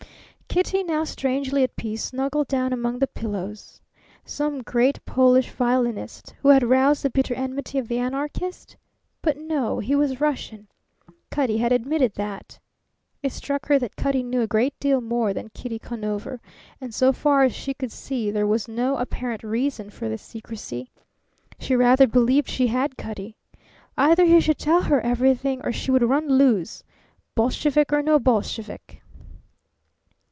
Kitty, now strangely at peace, snuggled down among the pillows. Some great Polish violinist, who had roused the bitter enmity of the anarchist? But no; he was Russian. Cutty had admitted that. It struck her that Cutty knew a great deal more than Kitty Conover; and so far as she could see there was no apparent reason for this secrecy. She rather believed she had Cutty. Either he should tell her everything or she would run loose, Bolshevik or no Bolshevik.